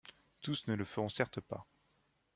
Tous ne le feront certes pas.